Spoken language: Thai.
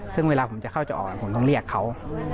ซึ่งเวลาผมจะเข้าจะออกผมต้องเรียกเขา